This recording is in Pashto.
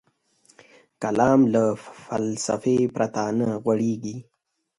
کلام له فلسفې پرته نه غوړېږي.